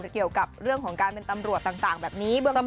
เกี่ยวกับเรื่องของการเป็นตำรวจต่างแบบนี้เบื้องต้น